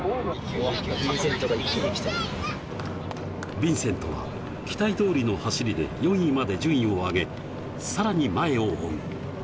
ヴィンセントは期待通りの走りで４位にまで順位を上げ、さらに前を追う。